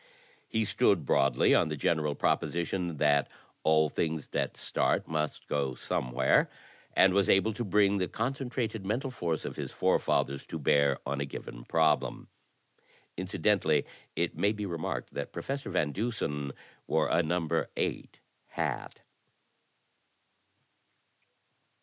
He stood broadly on the general proposition that all things that start must go somewhere, and was able to bring the concentrated mental force of his forefathers to bear on a given problem. Incidentally it may be remarked that Professor Van Dusen wore a No. 8 hat.